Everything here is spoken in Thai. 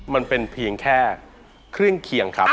มันเป็นเพียงแค่เครื่องเคียงครับ